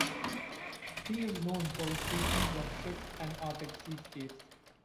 He is known for his paintings of ships and Arctic seascapes.